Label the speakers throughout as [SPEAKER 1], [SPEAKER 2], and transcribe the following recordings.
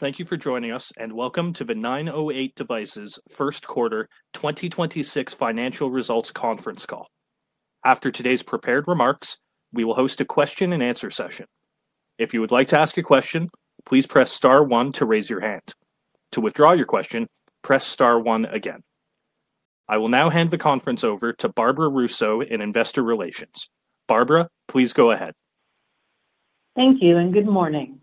[SPEAKER 1] Hello, everyone. Thank you for joining us, and welcome to the 908 Devices first quarter 2026 financial results conference call. After today's prepared remarks, we will host a question-and-answer session. If you would like to ask a question, please press star one to raise your hand. To withdraw your question, press star one again. I will now hand the conference over to Barbara Russo in Investor Relations. Barbara, please go ahead.
[SPEAKER 2] Thank you and good morning.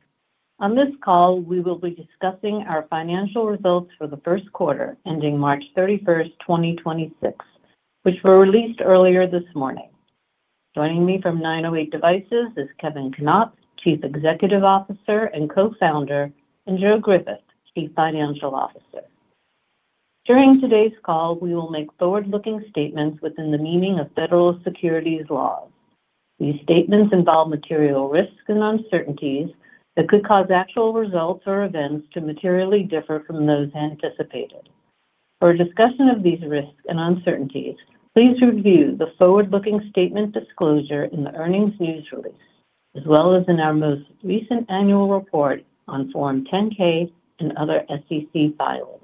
[SPEAKER 2] On this call, we will be discussing our financial results for the first quarter ending March 31st, 2026, which were released earlier this morning. Joining me from 908 Devices is Kevin Knopp, Chief Executive Officer and Co-founder, and Joe Griffith, Chief Financial Officer. During today's call, we will make forward-looking statements within the meaning of federal securities laws. These statements involve material risks and uncertainties that could cause actual results or events to materially differ from those anticipated. For a discussion of these risks and uncertainties, please review the forward-looking statements disclosure in the earnings news release, as well as in our most recent annual report on Form 10-K and other SEC filings.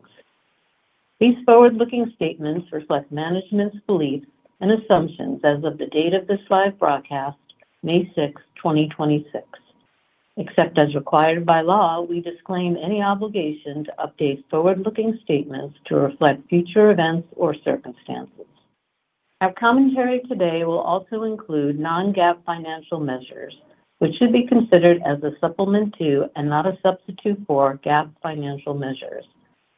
[SPEAKER 2] These forward-looking statements reflect management's beliefs and assumptions as of the date of this live broadcast, May 6th, 2026. Except as required by law, we disclaim any obligation to update forward-looking statements to reflect future events or circumstances. Our commentary today will also include non-GAAP financial measures, which should be considered as a supplement to and not a substitute for GAAP financial measures.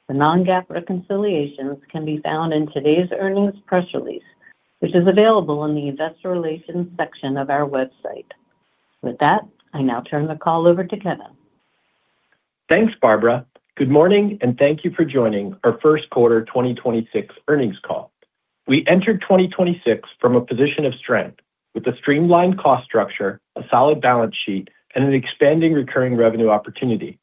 [SPEAKER 2] The non-GAAP reconciliations can be found in today's earnings press release, which is available in the Investor Relations section of our website. With that, I now turn the call over to Kevin.
[SPEAKER 3] Thanks, Barbara. Good morning, thank you for joining our first quarter 2026 earnings call. We entered 2026 from a position of strength with a streamlined cost structure, a solid balance sheet, and an expanding recurring revenue opportunity.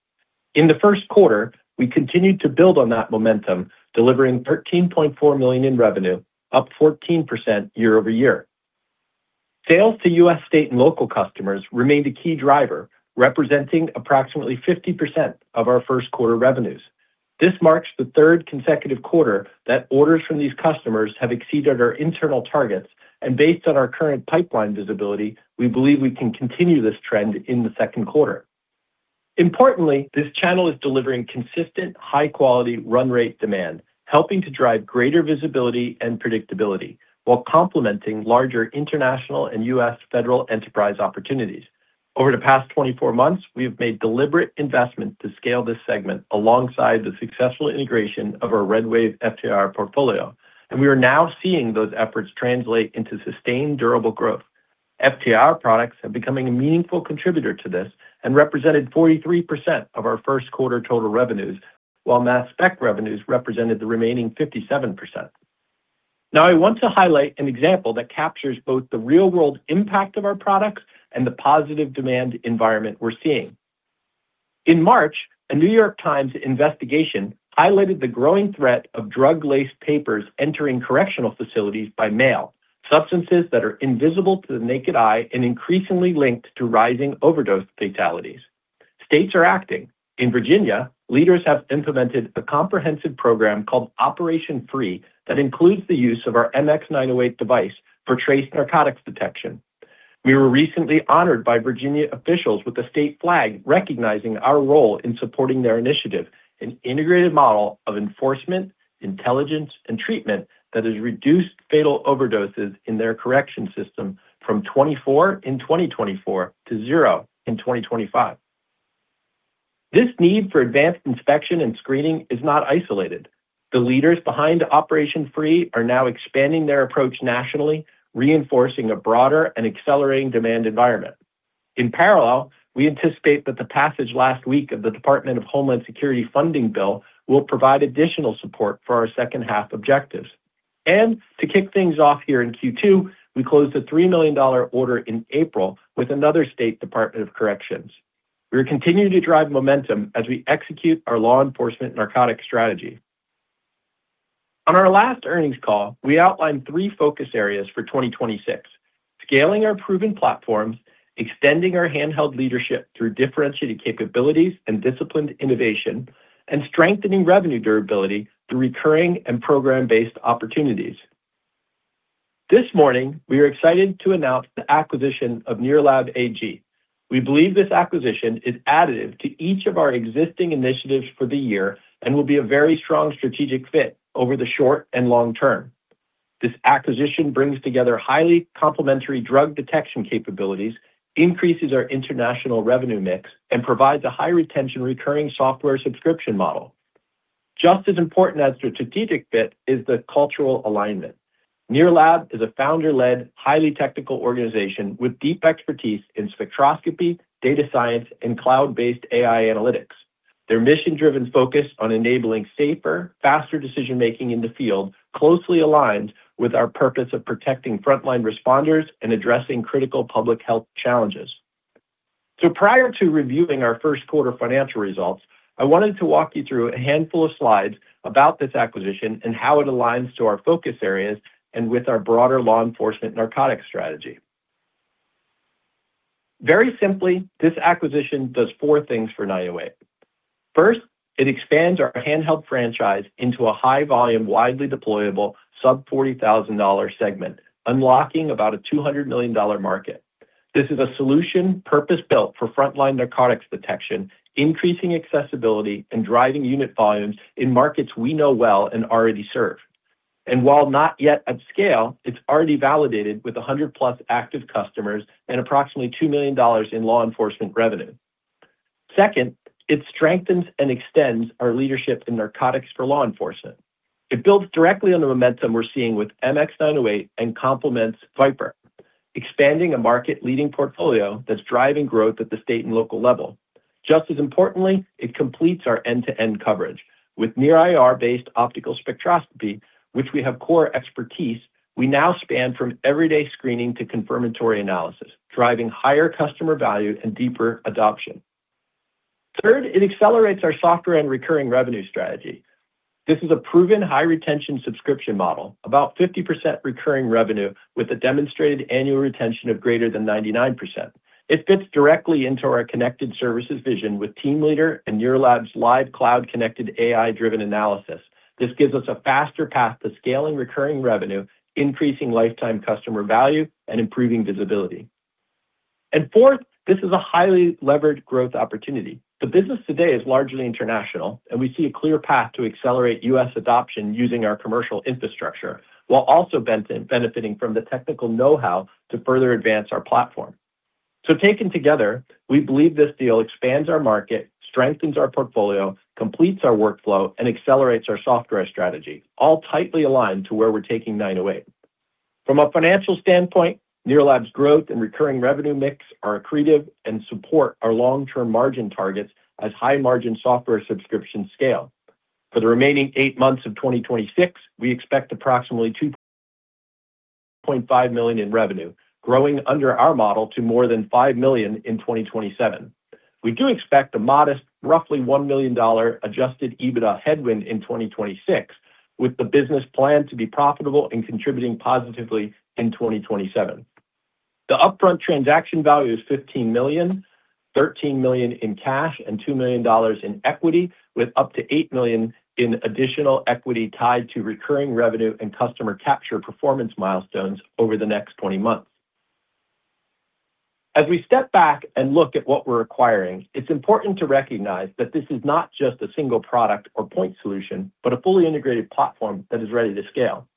[SPEAKER 3] In the first quarter, we continued to build on that momentum, delivering $13.4 million in revenue, up 14% year-over-year. Sales to U.S. state and local customers remained a key driver, representing approximately 50% of our first quarter revenues. This marks the third consecutive quarter that orders from these customers have exceeded our internal targets, and based on our current pipeline visibility, we believe we can continue this trend in the second quarter. Importantly, this channel is delivering consistent, high-quality run rate demand, helping to drive greater visibility and predictability while complementing larger international and U.S. federal enterprise opportunities. Over the past 24 months, we have made deliberate investment to scale this segment alongside the successful integration of our RedWave FTIR portfolio, and we are now seeing those efforts translate into sustained, durable growth. FTIR products have become a meaningful contributor to this and represented 43% of our first quarter total revenues, while mass spec revenues represented the remaining 57%. Now, I want to highlight an example that captures both the real-world impact of our products and the positive demand environment we're seeing. In March, a New York Times investigation highlighted the growing threat of drug-laced papers entering correctional facilities by mail, substances that are invisible to the naked eye and increasingly linked to rising overdose fatalities. States are acting. In Virginia, leaders have implemented a comprehensive program called Operation Free that includes the use of our MX908 device for trace narcotics detection. We were recently honored by Virginia officials with a state flag recognizing our role in supporting their initiative, an integrated model of enforcement, intelligence, and treatment that has reduced fatal overdoses in their correction system from 24 in 2024 to 0 in 2025. This need for advanced inspection and screening is not isolated. The leaders behind Operation Free are now expanding their approach nationally, reinforcing a broader and accelerating demand environment. In parallel, we anticipate that the passage last week of the Department of Homeland Security funding bill will provide additional support for our second-half objectives. To kick things off here in Q2, we closed a $3 million order in April with another state department of corrections. We are continuing to drive momentum as we execute our law enforcement narcotics strategy. On our last earnings call, we outlined three focus areas for 2026, scaling our proven platforms, extending our handheld leadership through differentiated capabilities and disciplined innovation, and strengthening revenue durability through recurring and program-based opportunities. This morning, we are excited to announce the acquisition of NIRLAB AG. We believe this acquisition is additive to each of our existing initiatives for the year and will be a very strong strategic fit over the short and long term. This acquisition brings together highly complementary drug detection capabilities, increases our international revenue mix, and provides a high retention recurring software subscription model. Just as important as strategic fit is the cultural alignment. NIRLAB is a founder-led, highly technical organization with deep expertise in spectroscopy, data science, and cloud-based AI analytics. Their mission-driven focus on enabling safer, faster decision-making in the field closely aligns with our purpose of protecting frontline responders and addressing critical public health challenges. Prior to reviewing our first quarter financial results, I wanted to walk you through a handful of slides about this acquisition and how it aligns to our focus areas and with our broader law enforcement narcotics strategy. Very simply, this acquisition does four things for 908. First, it expands our handheld franchise into a high volume, widely deployable sub $40,000 segment, unlocking about a $200 million market. This is a solution purpose-built for frontline narcotics detection, increasing accessibility and driving unit volumes in markets we know well and already serve. While not yet at scale, it's already validated with 100+ active customers and approximately $2 million of law enforcement revenue. It strengthens and extends our leadership in narcotics for law enforcement. It builds directly on the momentum we're seeing with MX908 and complements VipIR, expanding a market-leading portfolio that's driving growth at the state and local level. It completes our end-to-end coverage with near-infrared-based optical spectroscopy, which we have core expertise. We now span from everyday screening to confirmatory analysis, driving higher customer value and deeper adoption. It accelerates our software and recurring revenue strategy. This is a proven high-retention subscription model, about 50% recurring revenue with a demonstrated annual retention of greater than 99%. It fits directly into our connected services vision with Team Leader and NIRLAB's live cloud-connected AI-driven analysis. This gives us a faster path to scaling recurring revenue, increasing lifetime customer value, and improving visibility. This is a highly-levered growth opportunity. The business today is largely international. We see a clear path to accelerate U.S. adoption using our commercial infrastructure, while also benefiting from the technical know-how to further advance our platform. Taken together, we believe this deal expands our market, strengthens our portfolio, completes our workflow, and accelerates our software strategy, all tightly aligned to where we're taking 908. From a financial standpoint, NIRLAB's growth and recurring revenue mix are accretive and support our long-term margin targets as high-margin software subscription scale. For the remaining eight months of 2026, we expect approximately 2.5 million in revenue, growing under our model to more than 5 million in 2027. We do expect a modest, roughly $1 million adjusted EBITDA headwind in 2026, with the business plan to be profitable and contributing positively in 2027. The upfront transaction value is $15 million, $13 million in cash and $2 million in equity, with up to $8 million in additional equity tied to recurring revenue and customer capture performance milestones over the next 20 months. As we step back and look at what we're acquiring, it's important to recognize that this is not just a single product or point solution, but a fully integrated platform that is ready to scale.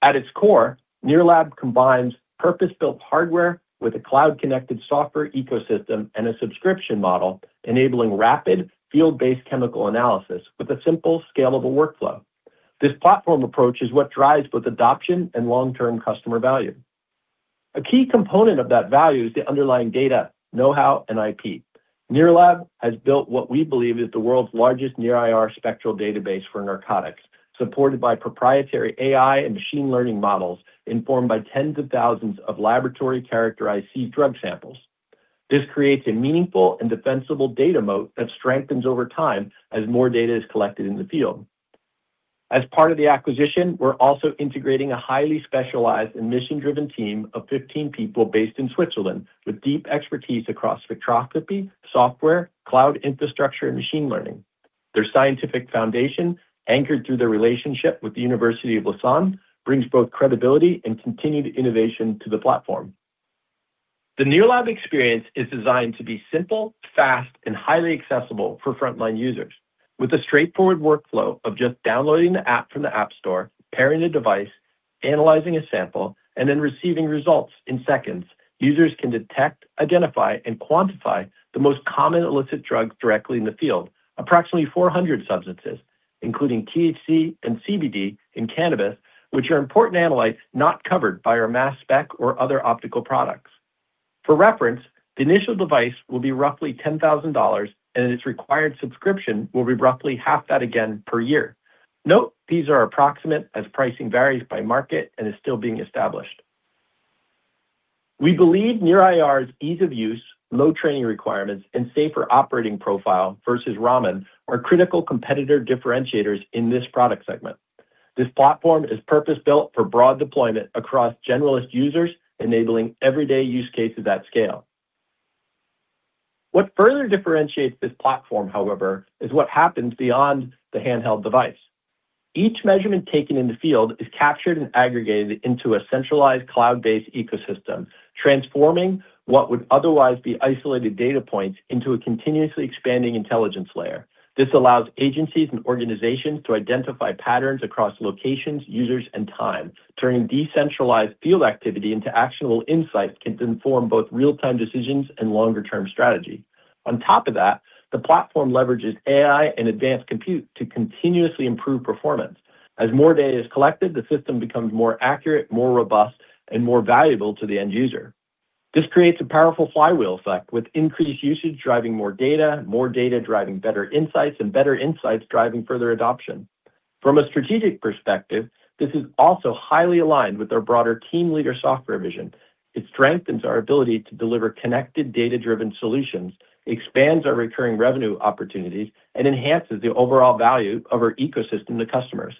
[SPEAKER 3] At its core, NIRLAB combines purpose-built hardware with a cloud-connected software ecosystem and a subscription model, enabling rapid, field-based chemical analysis with a simple, scalable workflow. This platform approach is what drives both adoption and long-term customer value. A key component of that value is the underlying data, know-how, and IP. NIRLAB has built what we believe is the world's largest near IR spectral database for narcotics, supported by proprietary AI and machine learning models informed by tens of thousands of laboratory-characterized seed drug samples. This creates a meaningful and defensible data moat that strengthens over time as more data is collected in the field. As part of the acquisition, we're also integrating a highly specialized and mission-driven team of 15 people based in Switzerland with deep expertise across spectroscopy, software, cloud infrastructure, and machine learning. Their scientific foundation, anchored through their relationship with the University of Lausanne, brings both credibility and continued innovation to the platform. The NIRLAB experience is designed to be simple, fast, and highly accessible for frontline users. With a straightforward workflow of just downloading the app from the App Store, pairing the device, analyzing a sample, and then receiving results in seconds, users can detect, identify, and quantify the most common illicit drugs directly in the field, approximately 400 substances, including THC and CBD in cannabis, which are important analytes not covered by our Mass Spec or other optical products. For reference, the initial device will be roughly $10,000, and its required subscription will be roughly half that again per year. Note, these are approximate as pricing varies by market and is still being established. We believe near-infrared's ease of use, low training requirements, and safer operating profile versus Raman are critical competitor differentiators in this product segment. This platform is purpose-built for broad deployment across generalist users, enabling everyday use cases at scale. What further differentiates this platform, however, is what happens beyond the handheld device. Each measurement taken in the field is captured and aggregated into a centralized cloud-based ecosystem, transforming what would otherwise be isolated data points into a continuously expanding intelligence layer. This allows agencies and organizations to identify patterns across locations, users, and time, turning decentralized field activity into actionable insights that can inform both real-time decisions and longer-term strategy. On top of that, the platform leverages AI and advanced compute to continuously improve performance. As more data is collected, the system becomes more accurate, more robust, and more valuable to the end user. This creates a powerful flywheel effect with increased usage driving more data, more data driving better insights, and better insights driving further adoption. From a strategic perspective, this is also highly aligned with our broader Team Leader software vision. It strengthens our ability to deliver connected data-driven solutions, expands our recurring revenue opportunities, and enhances the overall value of our ecosystem to customers.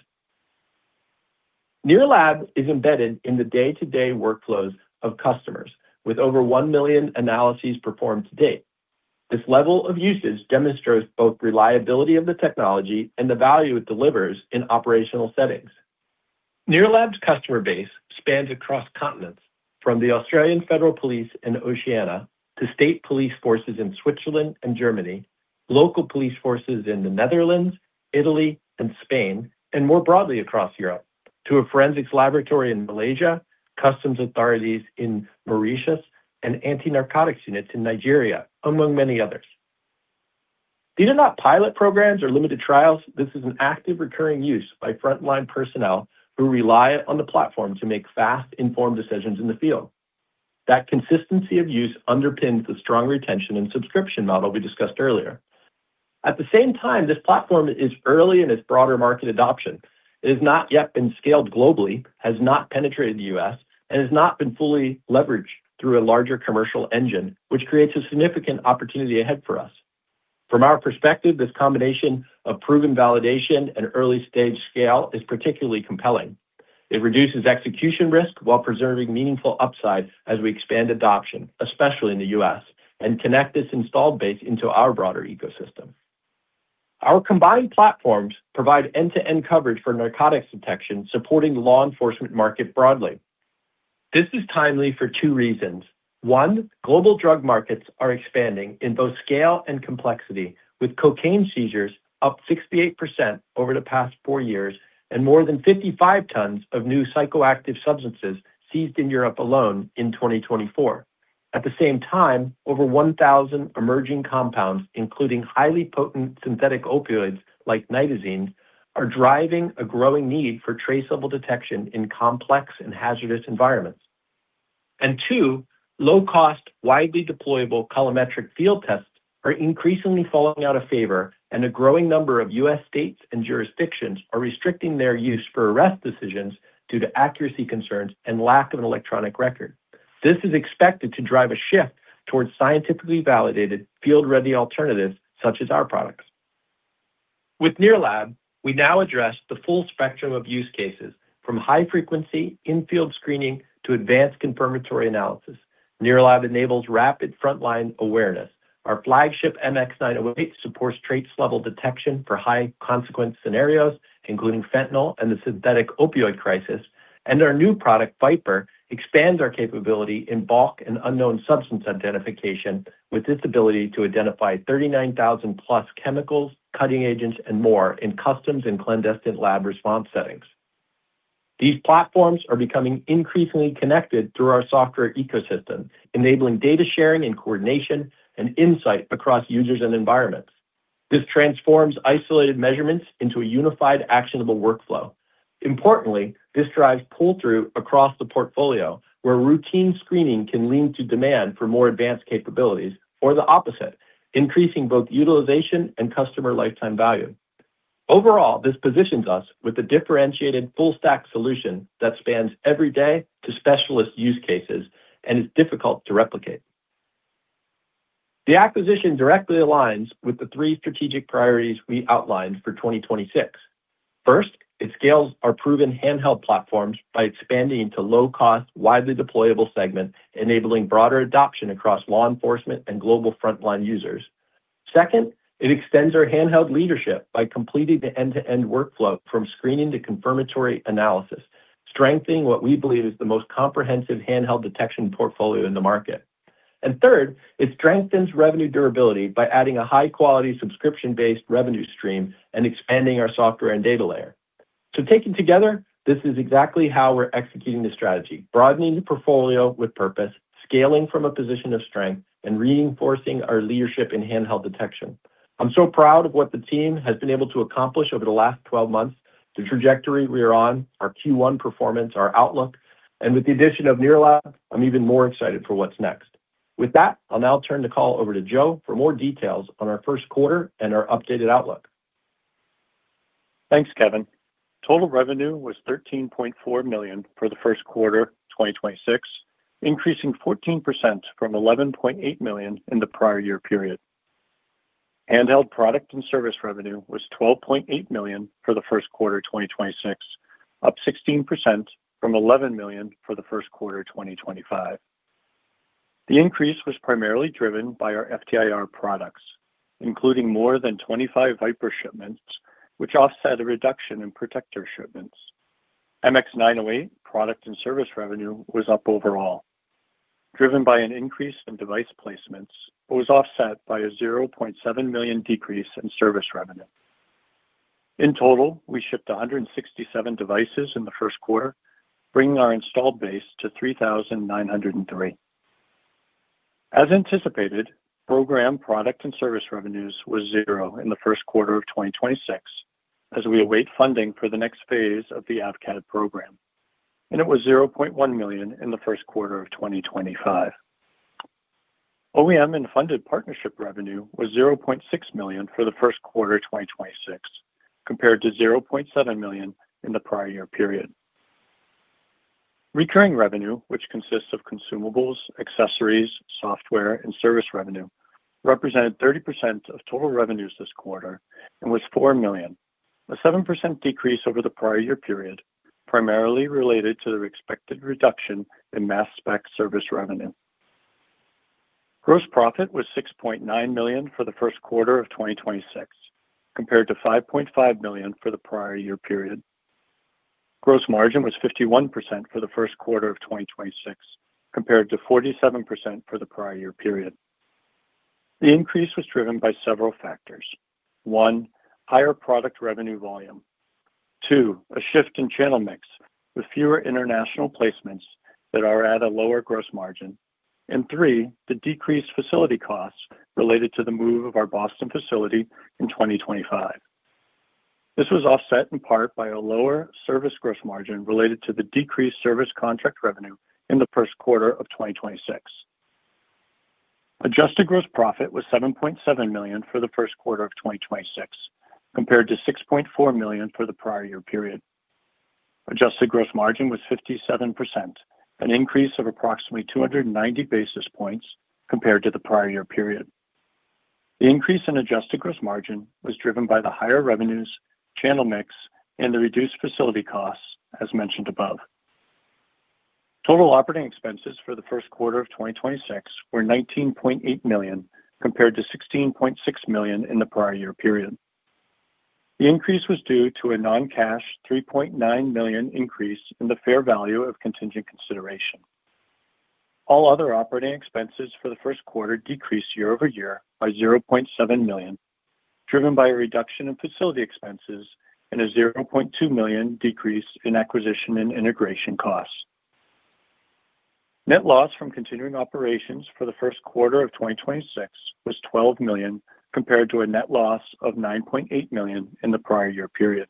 [SPEAKER 3] NIRLAB is embedded in the day-to-day workflows of customers with over 1 million analyses performed to date. This level of usage demonstrates both reliability of the technology and the value it delivers in operational settings. NIRLAB's customer base spans across continents from the Australian Federal Police in Oceania to state police forces in Switzerland and Germany, local police forces in the Netherlands, Italy, and Spain, and more broadly across Europe, to a forensics laboratory in Malaysia, customs authorities in Mauritius, and anti-narcotics units in Nigeria, among many others. These are not pilot programs or limited trials. This is an active recurring use by frontline personnel who rely on the platform to make fast, informed decisions in the field. That consistency of use underpins the strong retention and subscription model we discussed earlier. This platform is early in its broader market adoption. It has not yet been scaled globally, has not penetrated the U.S., and has not been fully leveraged through a larger commercial engine, which creates a significant opportunity ahead for us. From our perspective, this combination of proven validation and early-stage scale is particularly compelling. It reduces execution risk while preserving meaningful upside as we expand adoption, especially in the U.S., and connect this installed base into our broader ecosystem. Our combined platforms provide end-to-end coverage for narcotics detection, supporting the law enforcement market broadly. This is timely for two reasons. One, global drug markets are expanding in both scale and complexity, with cocaine seizures up 68% over the past four years and more than 55 tons of new psychoactive substances seized in Europe alone in 2024. At the same time, over 1,000 emerging compounds, including highly potent synthetic opioids like nitazenes, are driving a growing need for traceable detection in complex and hazardous environments. Two, low-cost, widely deployable colorimetric field tests are increasingly falling out of favor, and a growing number of U.S. states and jurisdictions are restricting their use for arrest decisions due to accuracy concerns and lack of an electronic record. This is expected to drive a shift towards scientifically validated, field-ready alternatives such as our products. With NIRLAB, we now address the full spectrum of use cases, from high-frequency in-field screening to advanced confirmatory analysis. NIRLAB enables rapid frontline awareness. Our flagship MX908 supports trace level detection for high-consequence scenarios, including fentanyl and the synthetic opioid crisis. Our new product, VipIR, expands our capability in bulk and unknown substance identification with its ability to identify 39,000+ chemicals, cutting agents, and more in customs and clandestine lab response settings. These platforms are becoming increasingly connected through our software ecosystem, enabling data sharing and coordination and insight across users and environments. This transforms isolated measurements into a unified, actionable workflow. Importantly, this drives pull-through across the portfolio, where routine screening can lead to demand for more advanced capabilities or the opposite, increasing both utilization and customer lifetime value. Overall, this positions us with a differentiated full-stack solution that spans every day to specialist use cases and is difficult to replicate. The acquisition directly aligns with the three strategic priorities we outlined for 2026. First, it scales our proven handheld platforms by expanding into low-cost, widely deployable segments, enabling broader adoption across law enforcement and global frontline users. Second, it extends our handheld leadership by completing the end-to-end workflow from screening to confirmatory analysis, strengthening what we believe is the most comprehensive handheld detection portfolio in the market. Third, it strengthens revenue durability by adding a high-quality subscription-based revenue stream and expanding our software and data layer. Taken together, this is exactly how we're executing the strategy, broadening the portfolio with purpose, scaling from a position of strength, and reinforcing our leadership in handheld detection. I'm so proud of what the team has been able to accomplish over the last 12 months, the trajectory we are on, our Q1 performance, our outlook. With the addition of NIRLAB, I'm even more excited for what's next. With that, I'll now turn the call over to Joe for more details on our first quarter and our updated outlook.
[SPEAKER 4] Thanks, Kevin. Total revenue was $13.4 million for the first quarter 2026, increasing 14% from $11.8 million in the prior year period. Handheld product and service revenue was $12.8 million for the first quarter 2026, up 16% from $11 million for the first quarter 2025. The increase was primarily driven by our FTIR products, including more than 25 VipIR shipments, which offset a reduction in ProtectIR shipments. MX908 product and service revenue was up overall, driven by an increase in device placements, but was offset by a $0.7 million decrease in service revenue. In total, we shipped 167 devices in the first quarter, bringing our installed base to 3,903. As anticipated, program product and service revenues was zero in the first quarter of 2026, as we await funding for the next phase of the AVCAD program, and it was $0.1 million in the first quarter of 2025. OEM and funded partnership revenue was $0.6 million for the first quarter 2026, compared to $0.7 million in the prior year period. Recurring revenue, which consists of consumables, accessories, software, and service revenue represented 30% of total revenues this quarter and was $4 million. A 7% decrease over the prior year period, primarily related to the expected reduction in MassSpec service revenue. Gross profit was $6.9 million for the first quarter of 2026, compared to $5.5 million for the prior year period. Gross margin was 51% for the first quarter of 2026, compared to 47% for the prior year period. The increase was driven by several factors. One, higher product revenue volume. Two, a shift in channel mix with fewer international placements that are at a lower gross margin. Three, the decreased facility costs related to the move of our Boston facility in 2025. This was offset in part by a lower service gross margin related to the decreased service contract revenue in the first quarter of 2026. Adjusted gross profit was $7.7 million for the first quarter of 2026, compared to $6.4 million for the prior year period. Adjusted gross margin was 57%, an increase of approximately 290 basis points compared to the prior year period. The increase in adjusted gross margin was driven by the higher revenues, channel mix, and the reduced facility costs, as mentioned above. Total operating expenses for the first quarter of 2026 were $19.8 million, compared to $16.6 million in the prior year period. The increase was due to a non-cash $3.9 million increase in the fair value of contingent consideration. All other operating expenses for the first quarter decreased year-over-year by $0.7 million, driven by a reduction in facility expenses and a $0.2 million decrease in acquisition and integration costs. Net loss from continuing operations for the first quarter of 2026 was $12 million, compared to a net loss of $9.8 million in the prior year period.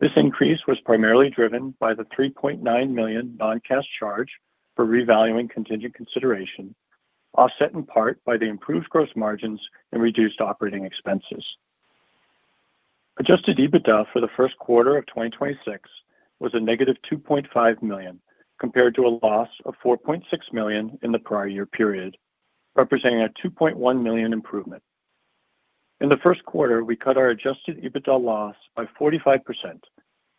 [SPEAKER 4] This increase was primarily driven by the $3.9 million non-cash charge for revaluing contingent consideration, offset in part by the improved gross margins and reduced operating expenses. Adjusted EBITDA for the first quarter of 2026 was a negative $2.5 million, compared to a loss of $4.6 million in the prior year period, representing a $2.1 million improvement. In the first quarter, we cut our adjusted EBITDA loss by 45%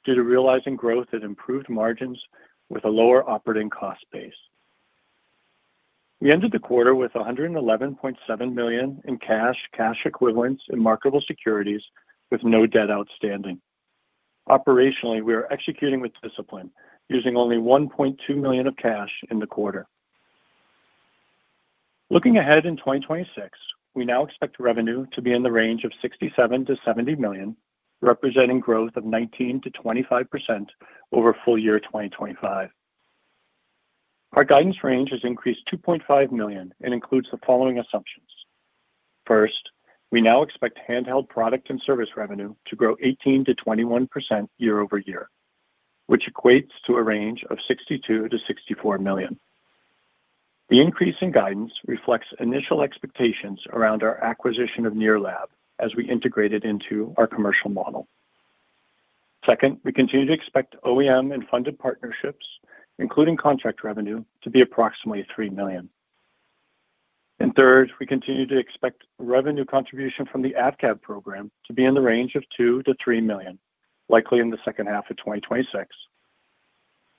[SPEAKER 4] due to realizing growth and improved margins with a lower operating cost base. We ended the quarter with $111.7 million in cash equivalents, and marketable securities with no debt outstanding. Operationally, we are executing with discipline, using only $1.2 million of cash in the quarter. Looking ahead in 2026, we now expect revenue to be in the range of $67 million-$70 million, representing growth of 19%-25% over full year 2025. Our guidance range has increased $2.5 million and includes the following assumptions. First, we now expect handheld product and service revenue to grow 18%-21% year-over-year, which equates to a range of $62 million-$64 million. The increase in guidance reflects initial expectations around our acquisition of NIRLAB as we integrate it into our commercial model. Second, we continue to expect OEM and funded partnerships, including contract revenue, to be approximately $3 million. Third, we continue to expect revenue contribution from the AVCAD program to be in the range of $2 million-$3 million, likely in the second half of 2026.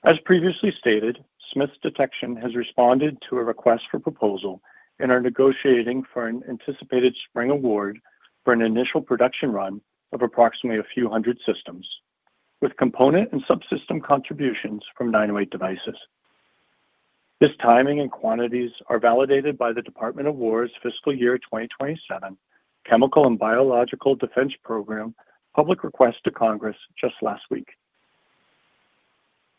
[SPEAKER 4] As previously stated, Smiths Detection has responded to a request for proposal and are negotiating for an anticipated spring award for an initial production run of approximately a few hundred systems, with component and subsystem contributions from 908 Devices. This timing and quantities are validated by the Department of Defense's Fiscal Year 2027 Chemical and Biological Defense Program public request to Congress just last week.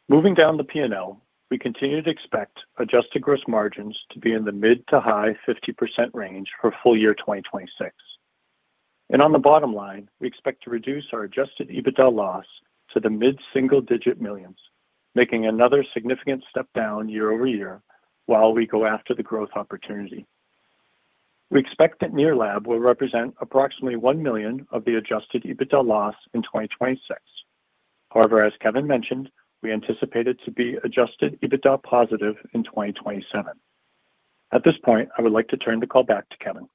[SPEAKER 4] Moving down the P&L, we continue to expect adjusted gross margins to be in the mid to high 50% range for full year 2026. On the bottom line, we expect to reduce our adjusted EBITDA loss to the mid-single-digit millions, making another significant step down year-over-year while we go after the growth opportunity. We expect that NIRLAB will represent approximately $1 million of the adjusted EBITDA loss in 2026. However, as Kevin mentioned, we anticipated to be adjusted EBITDA positive in 2027. At this point, I would like to turn the call back to Kevin.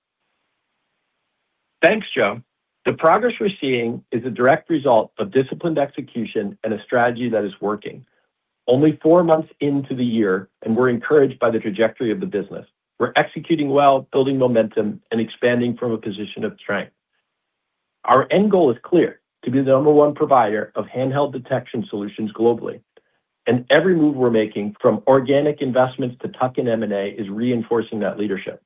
[SPEAKER 3] Thanks, Joe. The progress we're seeing is a direct result of disciplined execution and a strategy that is working. Only four months into the year, we're encouraged by the trajectory of the business. We're executing well, building momentum, and expanding from a position of strength. Our end goal is clear, to be the number one provider of handheld detection solutions globally. Every move we're making from organic investments to tuck-in M&A is reinforcing that leadership.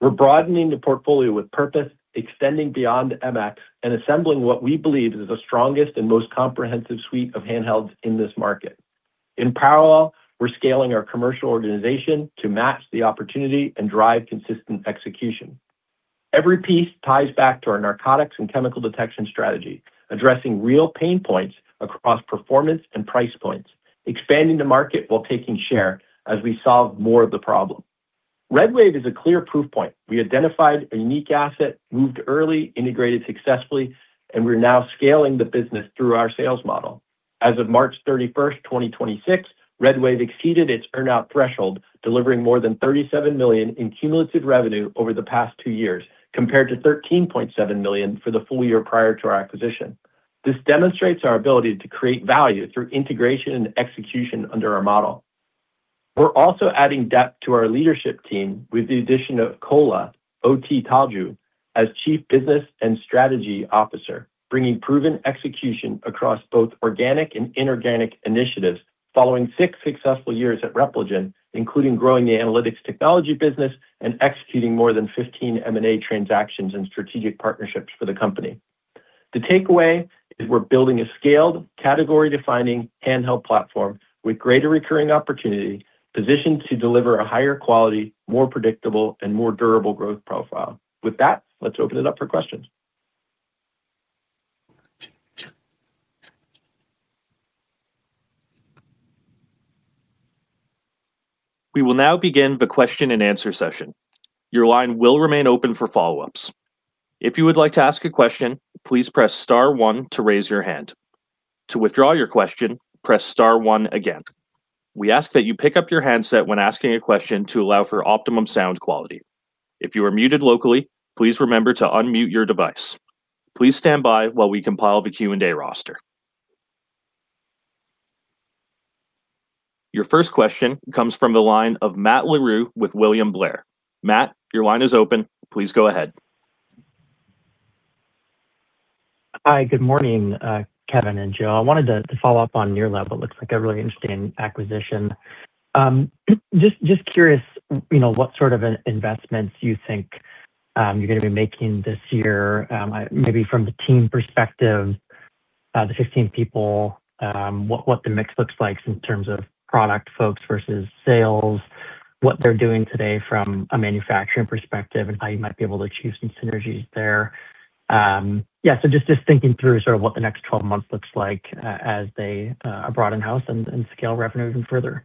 [SPEAKER 3] We're broadening the portfolio with purpose, extending beyond MX, and assembling what we believe is the strongest and most comprehensive suite of handhelds in this market. In parallel, we're scaling our commercial organization to match the opportunity and drive consistent execution. Every piece ties back to our narcotics and chemical detection strategy, addressing real pain points across performance and price points, expanding the market while taking share as we solve more of the problem. RedWave is a clear proof point. We identified a unique asset, moved early, integrated successfully, and we're now scaling the business through our sales model. As of March 31st, 2026, RedWave exceeded its earn-out threshold, delivering more than $37 million in cumulative revenue over the past two years, compared to $13.7 million for the full year prior to our acquisition. This demonstrates our ability to create value through integration and execution under our model. We're also adding depth to our leadership team with the addition of Kola Otitoju as Chief Business and Strategy Officer, bringing proven execution across both organic and inorganic initiatives following six successful years at Repligen, including growing the analytics technology business and executing more than 15 M&A transactions and strategic partnerships for the company. The takeaway is we're building a scaled, category-defining handheld platform with greater recurring opportunity, positioned to deliver a higher quality, more predictable, and more durable growth profile. With that, let's open it up for questions.
[SPEAKER 1] We will now begin the question-and-answer session. Your line will remain open for follow-ups. We ask that you pick up your handset when asking a question to allow for optimum sound quality. If you are muted locally, please remember to unmute your device. Please stand by while we compile the Q&A roster. Your first question comes from the line of Matt Larew with William Blair. Matt, your line is open. Please go ahead.
[SPEAKER 5] Hi, good morning, Kevin and Joe. I wanted to follow up on NIRLAB. It looks like a really interesting acquisition. Just curious, you know, what sort of investments you think you're going to be making this year, maybe from the team perspective, the 15 people, what the mix looks like in terms of product folks versus sales. What they're doing today from a manufacturing perspective, and how you might be able to achieve some synergies there. Yeah, just thinking through sort of what the next 12 months looks like as they are brought in-house and scale revenue even further.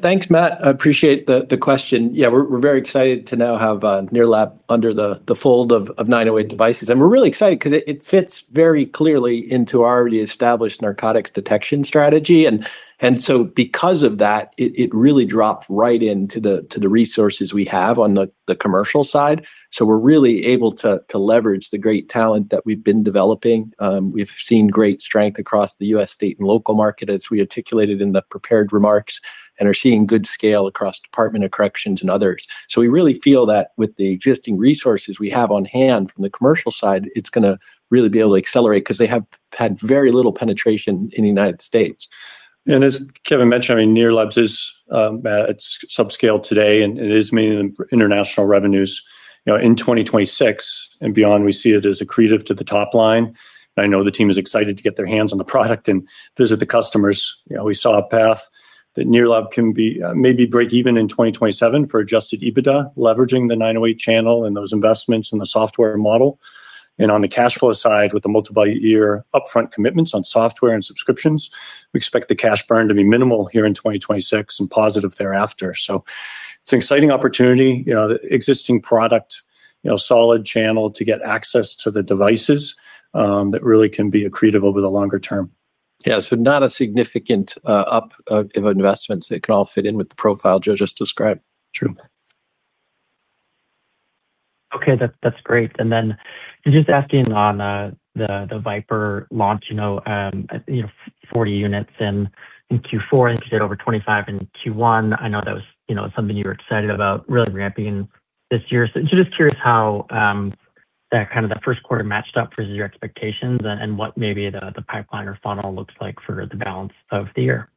[SPEAKER 3] Thanks, Matt. I appreciate the question. We're very excited to now have NIRLAB under the fold of 908 Devices. We're really excited because it fits very clearly into our already established narcotics detection strategy. Because of that, it really dropped right into the resources we have on the commercial side. We're really able to leverage the great talent that we've been developing. We've seen great strength across the U.S. state and local market as we articulated in the prepared remarks, and are seeing good scale across Department of Corrections and others. We really feel that with the existing resources we have on hand from the commercial side, it's going to really be able to accelerate, because they have had very little penetration in the United States.
[SPEAKER 4] As Kevin mentioned, I mean, NIRLAB is, it's subscale today and it is mainly international revenues. You know, in 2026 and beyond, we see it as accretive to the top line. I know the team is excited to get their hands on the product and visit the customers. You know, we saw a path that NIRLAB can be, maybe break even in 2027 for adjusted EBITDA, leveraging the 908 channel and those investments in the software model. On the cash flow side, with the multi-year upfront commitments on software and subscriptions, we expect the cash burn to be minimal here in 2026 and positive thereafter. It's an exciting opportunity. You know, the existing product, you know, solid channel to get access to the devices, that really can be accretive over the longer term.
[SPEAKER 3] Yeah. Not a significant investments, it can all fit in with the profile Joe just described.
[SPEAKER 4] True.
[SPEAKER 5] Okay. That's great. Just asking on the VipIR launch. You know, you know, 40 units in Q4, and you did over 25 in Q1. I know that was, you know, something you were excited about really ramping this year. Just curious how that kind of the first quarter matched up versus your expectations and what maybe the pipeline or funnel looks like for the balance of the year.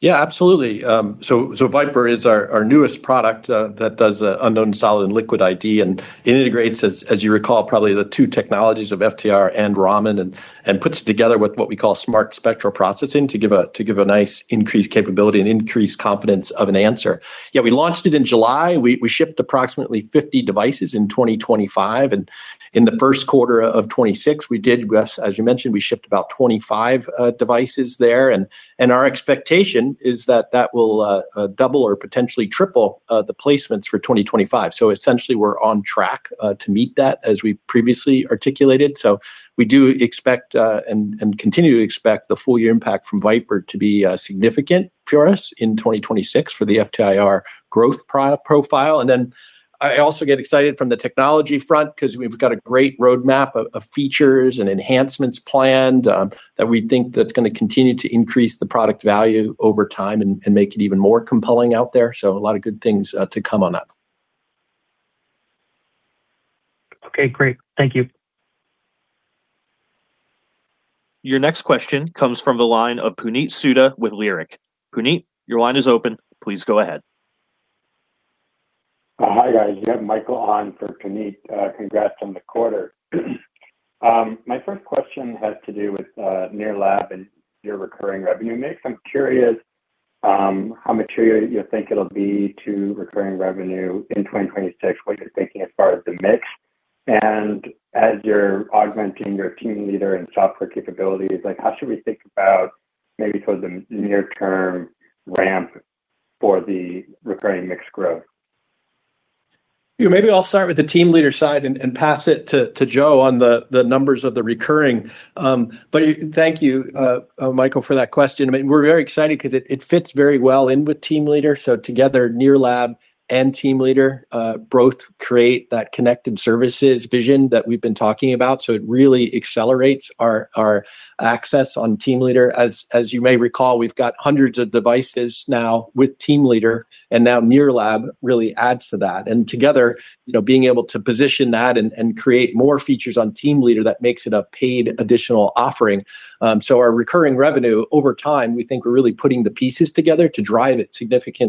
[SPEAKER 3] Yeah, absolutely. VipIR is our newest product that does unknown solid and liquid ID. It integrates as you recall, probably the two technologies of FTIR and Raman and puts it together with what we call Smart Spectral Processing to give a nice increased capability and increased confidence of an answer. Yeah, we launched it in July. We shipped approximately 50 devices in 2025. In the first quarter of 2026, we did, as you mentioned, we shipped about 25 devices there. Our expectation is that that will double or potentially triple the placements for 2025. Essentially, we're on track to meet that as we previously articulated. We do expect and continue to expect the full year impact from VipIR to be significant for us in 2026 for the FTIR growth profile. I also get excited from the technology front 'cause we've got a great roadmap of features and enhancements planned that we think that's gonna continue to increase the product value over time and make it even more compelling out there. A lot of good things to come on that.
[SPEAKER 5] Okay, great. Thank you.
[SPEAKER 1] Your next question comes from the line of Puneet Souda with Leerink Partners. Puneet, your line is open. Please go ahead.
[SPEAKER 6] Hi, guys. You have Michael on for Puneet. Congrats on the quarter. My first question has to do with NIRLAB and your recurring revenue mix. I'm curious how material you think it'll be to recurring revenue in 2026. What you're thinking as far as the mix? As you're augmenting your TeamLeader and software capabilities, like how should we think about maybe towards the near-term ramp for the recurring mixed growth?
[SPEAKER 3] Yeah, maybe I'll start with the TeamLeader side and pass it to Joe on the numbers of the recurring. Thank you, Michael, for that question. I mean, we're very excited 'cause it fits very well in with TeamLeader. Together NIRLAB and TeamLeader both create that connected services vision that we've been talking about. It really accelerates our access on TeamLeader. As you may recall, we've got hundreds of devices now with TeamLeader, and now NIRLAB really adds to that. Together, you know, being able to position that and create more features on TeamLeader, that makes it a paid additional offering. Our recurring revenue over time, we think we're really putting the pieces together to drive it significantly.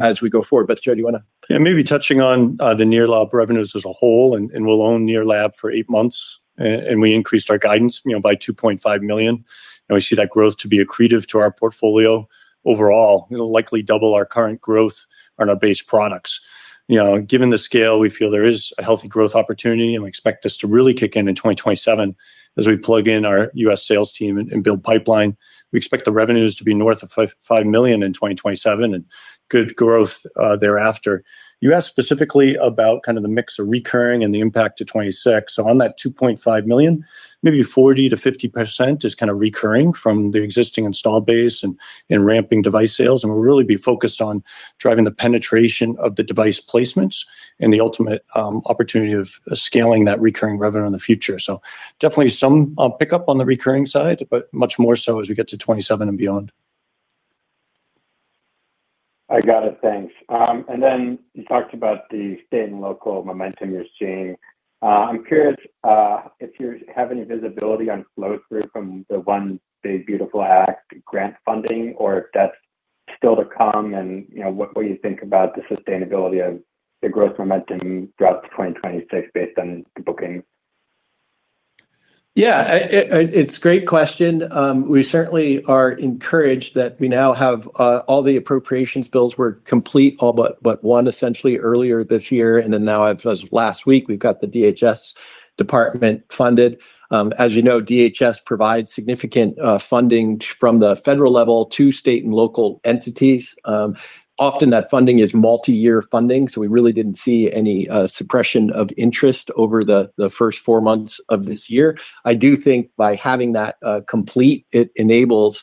[SPEAKER 3] As we go forward. Joe, do you wanna?
[SPEAKER 4] Yeah, maybe touching on the NIRLAB revenues as a whole, and we'll own NIRLAB for eight months. We increased our guidance, you know, by $2.5 million, and we see that growth to be accretive to our portfolio. Overall, it'll likely double our current growth on our base products. You know, given the scale, we feel there is a healthy growth opportunity, and we expect this to really kick in in 2027 as we plug in our U.S. sales team and build pipeline. We expect the revenues to be north of $5 million in 2027, and good growth thereafter. You asked specifically about kind of the mix of recurring and the impact to 2026. On that $2.5 million, maybe 40%-50% is kind of recurring from the existing install base and ramping device sales, and we'll really be focused on driving the penetration of the device placements and the ultimate opportunity of scaling that recurring revenue in the future. Definitely some pickup on the recurring side, but much more so as we get to 2027 and beyond.
[SPEAKER 6] I got it. Thanks. You talked about the state and local momentum you're seeing. I'm curious if you have any visibility on flow through from the One Big Beautiful Act grant funding, or if that's still to come and, you know, what you think about the sustainability of the growth momentum throughout to 2026 based on the booking.
[SPEAKER 3] Yeah. It's great question. We certainly are encouraged that we now have all the appropriations bills were complete, all but one essentially earlier this year, and then now as of last week, we've got the DHS Department funded. As you know, DHS provides significant funding from the federal level to state and local entities. Often that funding is multi-year funding, so we really didn't see any suppression of interest over the first four months of this year. I do think by having that complete, it enables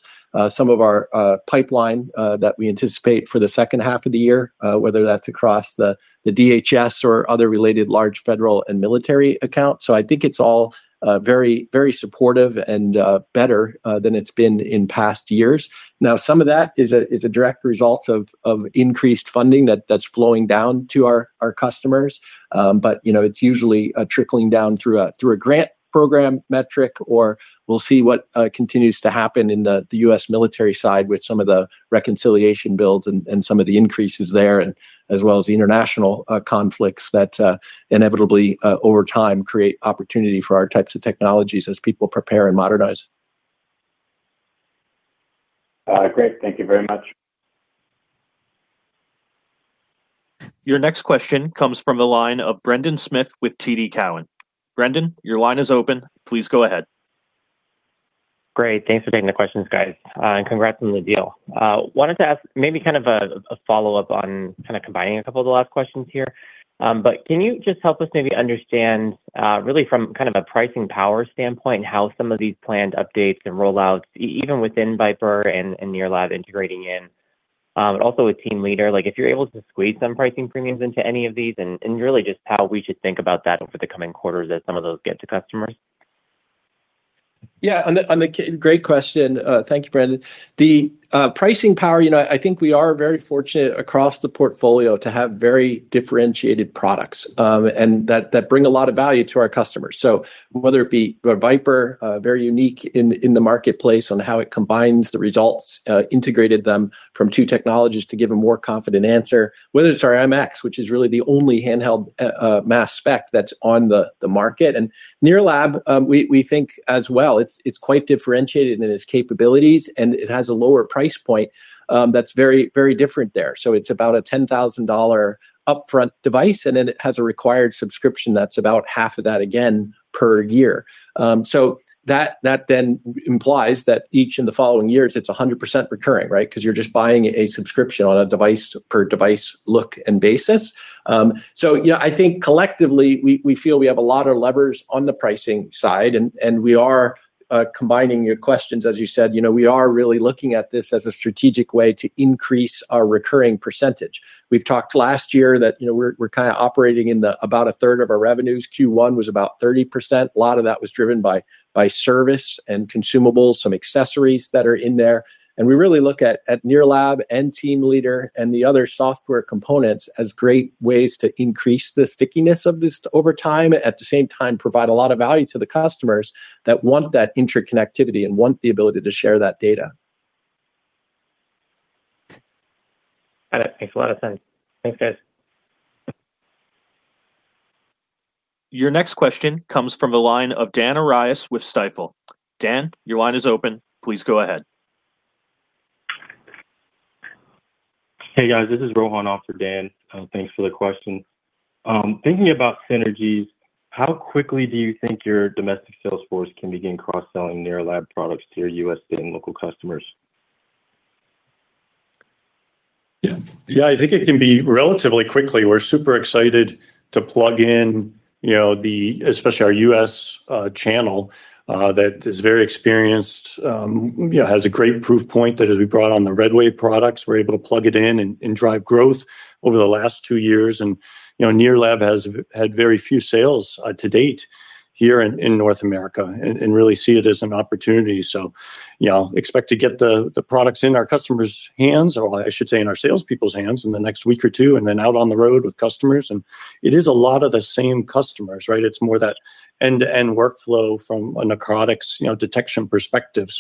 [SPEAKER 3] some of our pipeline that we anticipate for the second half of the year, whether that's across the DHS or other related large federal and military accounts. I think it's all very supportive and better than it's been in past years. Now, some of that is a direct result of increased funding that's flowing down to our customers. You know, it's usually trickling down through a grant program metric or we'll see what continues to happen in the U.S. military side with some of the reconciliation bills and some of the increases there and as well as the international conflicts that inevitably over time create opportunity for our types of technologies as people prepare and modernize.
[SPEAKER 6] Great. Thank you very much.
[SPEAKER 1] Your next question comes from the line of Brendan Smith with TD Cowen. Brendan, your line is open. Please go ahead.
[SPEAKER 7] Great. Thanks for taking the questions, guys, and congrats on the deal. Wanted to ask maybe kind of a follow-up on kind of combining a couple of the last questions here. Can you just help us maybe understand, really from kind of a pricing power standpoint how some of these planned updates and rollouts even within VipIR and NIRLAB integrating in, but also with Team Leader, like if you're able to squeeze some pricing premiums into any of these and really just how we should think about that over the coming quarters as some of those get to customers?
[SPEAKER 3] Yeah, great question. Thank you, Brendan. The pricing power, you know, I think we are very fortunate across the portfolio to have very differentiated products that bring a lot of value to our customers. Whether it be our VipIR, very unique in the marketplace on how it combines the results, integrated them from two technologies to give a more confident answer. Whether it's our MX, which is really the only handheld Mass Spec that's on the market. NIRLAB, we think as well it's quite differentiated in its capabilities, and it has a lower price point that's very different there. It's about a $10,000 upfront device, and then it has a required subscription that's about half of that again per year. That then implies that each in the following years it's a 100% recurring, right? 'Cause you're just buying a subscription on a device per device look and basis. You know, I think collectively we feel we have a lot of levers on the pricing side and we are combining your questions as you said. You know, we are really looking at this as a strategic way to increase our recurring percentage. We've talked last year that, you know, we're kind of operating in the about 1/3 of our revenues. Q1 was about 30%. A lot of that was driven by service and consumables, some accessories that are in there. We really look at NIRLAB and Team Leader and the other software components as great ways to increase the stickiness of this over time. At the same time, provide a lot of value to the customers that want that interconnectivity and want the ability to share that data.
[SPEAKER 7] Got it. Thanks a lot. Thanks. Thanks, guys.
[SPEAKER 1] Your next question comes from the line of Daniel Arias with Stifel. Dan, your line is open. Please go ahead.
[SPEAKER 8] Hey guys, this is Rohan off for Dan. Thanks for the question. Thinking about synergies, how quickly do you think your domestic sales force can begin cross-selling NIRLAB products to your U.S. state and local customers?
[SPEAKER 4] I think it can be relatively quickly. We're super excited to plug in, you know, the especially our U.S. channel that is very experienced. You know, has a great proof point that as we brought on the RedWave products, we're able to plug it in and drive growth over the last two years. You know, NIRLAB had very few sales to date here in North America and really see it as an opportunity. You know, expect to get the products in our customers' hands, or I should say in our sales people's hands, in the next week or two, and then out on the road with customers. It is a lot of the same customers, right? It's more that end-to-end workflow from a narcotics, you know, detection perspective.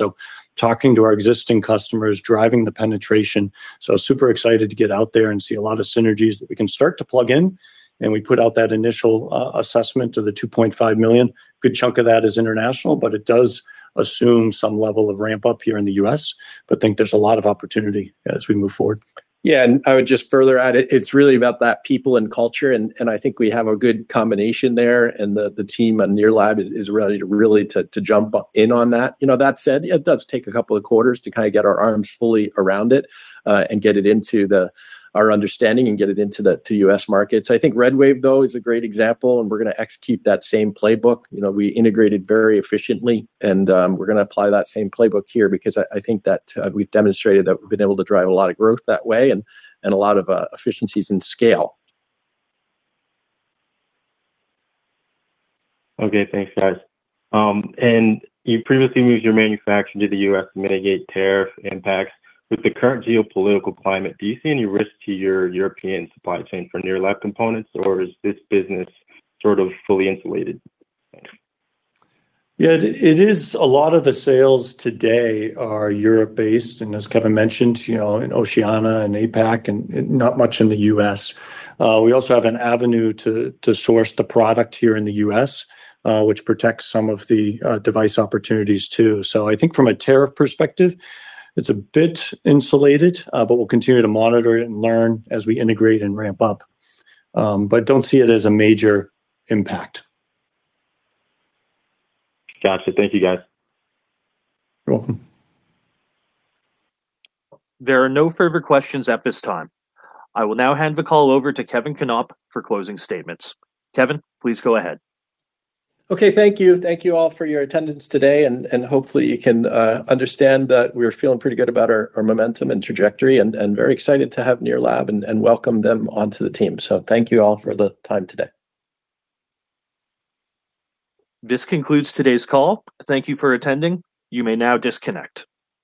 [SPEAKER 4] Talking to our existing customers, driving the penetration. Super excited to get out there and see a lot of synergies that we can start to plug in. We put out that initial assessment of the $2.5 million. Good chunk of that is international, but it does assume some level of ramp up here in the U.S. Think there is a lot of opportunity as we move forward.
[SPEAKER 3] Yeah, and I would just further add, it's really about that people and culture and I think we have a good combination there, and the team at NIRLAB is ready to really to jump in on that. You know, that said, it does take a couple of quarters to kind of get our arms fully around it, and get it into our understanding and get it into the U.S. markets. I think Red Wave, though, is a great example, and we're gonna execute that same playbook. You know, we integrated very efficiently and we're gonna apply that same playbook here because I think that we've demonstrated that we've been able to drive a lot of growth that way and a lot of efficiencies in scale.
[SPEAKER 8] Okay. Thanks, guys. You previously moved your manufacturing to the U.S. to mitigate tariff impacts. With the current geopolitical climate, do you see any risk to your European supply chain for NIRLAB components, or is this business sort of fully insulated? Thanks.
[SPEAKER 4] Yeah, it is, a lot of the sales today are Europe-based and as Kevin mentioned, you know, in Oceania and APAC and not much in the U.S. We also have an avenue to source the product here in the U.S., which protects some of the device opportunities too. I think from a tariff perspective, it's a bit insulated, but we'll continue to monitor it and learn as we integrate and ramp up. Don't see it as a major impact.
[SPEAKER 8] Gotcha. Thank you guys.
[SPEAKER 4] You're welcome.
[SPEAKER 1] There are no further questions at this time. I will now hand the call over to Kevin Knopp for closing statements. Kevin, please go ahead.
[SPEAKER 3] Okay. Thank you. Thank you all for your attendance today and hopefully you can understand that we're feeling pretty good about our momentum and trajectory and very excited to have NIRLAB and welcome them onto the team. Thank you all for the time today.
[SPEAKER 1] This concludes today's call. Thank you for attending. You may now disconnect.